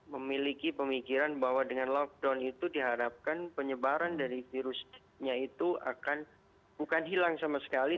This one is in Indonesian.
memiliki pemikiran bahwa dengan lockdown itu diharapkan penyebaran dari virusnya itu akan bukan hilang sama sekali